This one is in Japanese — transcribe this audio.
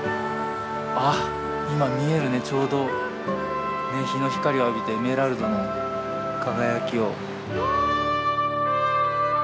ああ今見えるねちょうど日の光を浴びてエメラルドの輝きを。